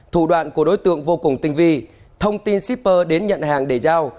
thủ đoạn của đối tượng vô cùng tinh vi thông tin shipper đến nhận hàng để giao